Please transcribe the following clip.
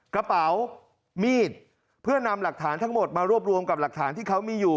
กระเป๋ามีดเพื่อนำหลักฐานทั้งหมดมารวบรวมกับหลักฐานที่เขามีอยู่